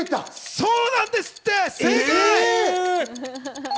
そうなんですって！